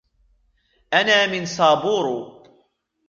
أنا من سابورو.